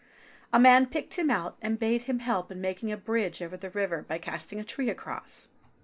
A man picked him out and bade him help in making a bridge over the river by casting a tree across.